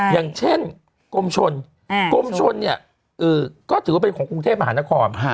อย่างเช่นกรมชนกรมชนเนี่ยก็ถือว่าเป็นของกรุงเทพมหานคร